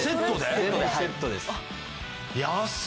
全部セットです。